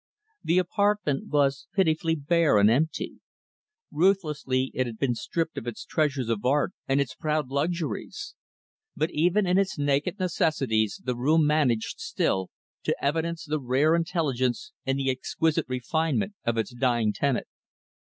The apartment was pitifully bare and empty. Ruthlessly it had been stripped of its treasures of art and its proud luxuries. But, even in its naked necessities the room managed, still, to evidence the rare intelligence and the exquisite refinement of its dying tenant.